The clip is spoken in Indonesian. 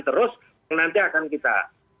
terus nanti akan kita